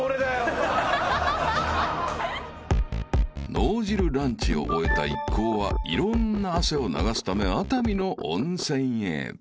［脳汁ランチを終えた一行はいろんな汗を流すため熱海の温泉へ］